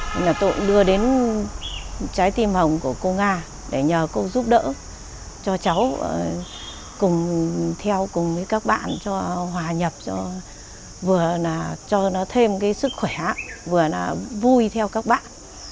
nên là tôi đưa đến trái tim hồng của cô nga để nhờ cô giúp đỡ cho cháu cùng theo cùng với các bạn cho hòa nhập cho vừa là cho nó thêm cái sức khỏe vừa là vui theo các bạn